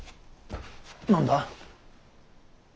何だ。